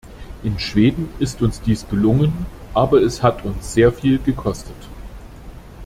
In Schweden ist uns dies gelungen, aber es hat uns sehr viel gekostet.